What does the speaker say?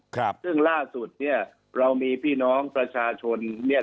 ครับซึ่งล่าสุดเนี้ยเรามีพี่น้องประชาชนเนี้ย